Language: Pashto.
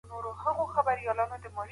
د کارمندانو اړتیا اټکل کول مهم دي.